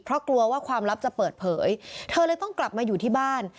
เพราะกลัวว่าความลับจะเปิดเผยเธอเลยต้องกลับมาอยู่ที่บ้าน